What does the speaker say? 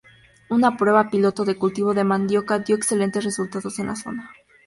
Una prueba piloto de cultivo de mandioca dio excelentes resultados en la zona.